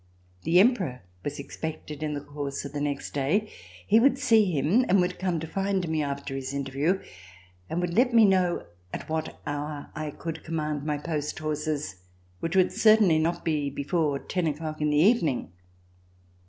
The Emperor was expected in the course of the next day, he would see him and would come to find me after his Interview and would let me know at what hour I could com mand my post horses, which would certainly not be before ten o'clock in the evening.